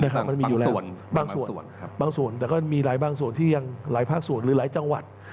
บางส่วนบางส่วนแต่ก็มีบางส่วนที่ยังหลายภาคส่วนหรือหลายจังหวัด